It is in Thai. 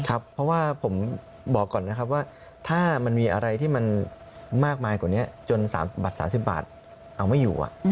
เพราะว่าผมบอกก่อนนะครับว่าถ้ามันมีอะไรที่มันมากมายกว่านี้จนบัตร๓๐บาทเอาไม่อยู่